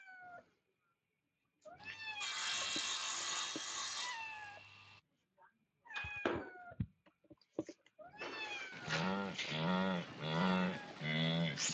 Vse je v matematiki.